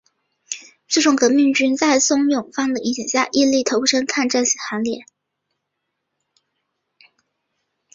最终在革命军和宋永芳的影响下毅然投身抗战行列。